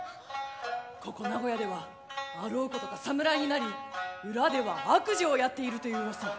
ここ名古屋ではあろうことか侍になり裏では悪事をやっているという噂。